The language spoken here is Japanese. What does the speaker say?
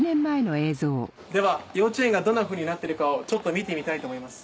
では幼稚園がどんなふうになってるかをちょっと見てみたいと思います。